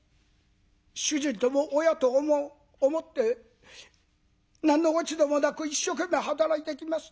主人とも親とも思って何の落ち度もなく一生懸命働いてきました。